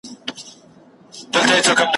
ستا له ښاره قاصد راغی په سرو سترګو یې ژړله .